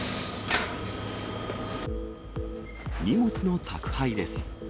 荷物の宅配です。